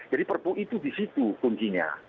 jadi perbu itu di situ kuncinya